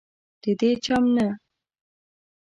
ددې چم نه